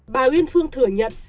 bà nguyên phương thừa nhận